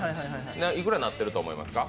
いくらになってると思いますか？